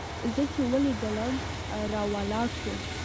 زه چې يې وليدلم راولاړ سو.